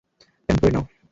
Pant পরে নাও।